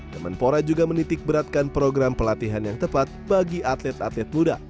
teman pora juga menitikberatkan program pelatihan yang tepat bagi atlet atlet muda